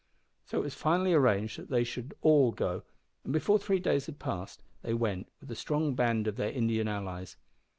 So it was finally arranged that they should all go, and, before three days had passed, they went, with a strong band of their Indian allies.